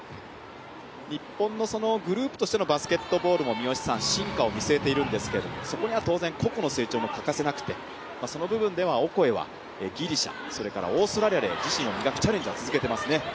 日本のグループとしてのバスケットボールも進化を見据えているんですけどそこには、当然個々の成長も欠かせなくてその部分ではオコエはギリシャ、それからオーストラリアで自身を磨くチャレンジは続けていますね。